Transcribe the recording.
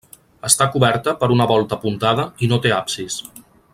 Està coberta per una volta apuntada i no té absis.